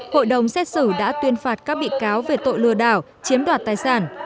hội đồng xét xử đã tuyên phạt các bị cáo về tội lừa đảo chiếm đoạt tài sản